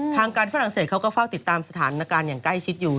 ทางการฝรั่งเศสเขาก็เฝ้าติดตามสถานการณ์อย่างใกล้ชิดอยู่